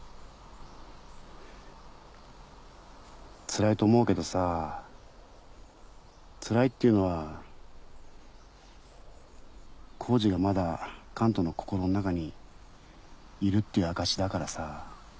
つらいと思うけどさつらいっていうのはコウジがまだカントの心の中にいるっていう証しだからさ。